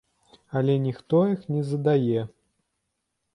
Але ніхто іх не задае.